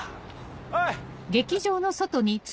おい！